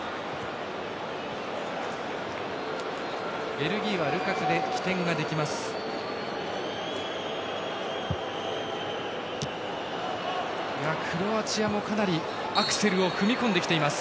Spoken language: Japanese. ベルギーはルカクで起点ができます。